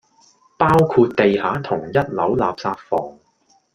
包括地下同一樓垃圾房